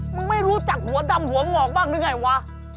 ไม่รู้จักหัวดำหัวหมองอกบ้างหรือไงวะ